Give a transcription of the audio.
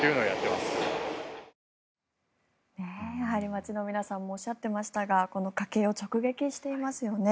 街の皆さんもおっしゃってましたが家計を直撃していますよね。